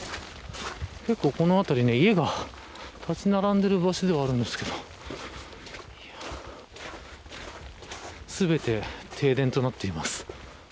この辺り、家が立ち並んでいる場所ではあるんですけど全て停電となっています。